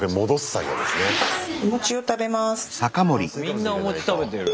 みんなお餅食べてる。